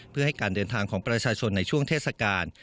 เพื่อให้การเดินทางของประชาชนในช่วงเทศกาล